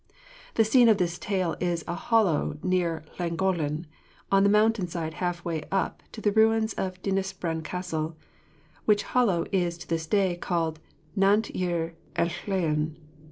The scene of this tale is a hollow near Llangollen, on the mountain side half way up to the ruins of Dinas Bran Castle, which hollow is to this day called Nant yr Ellyllon.